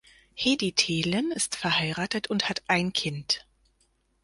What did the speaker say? Hedi Thelen ist verheiratet und hat ein Kind.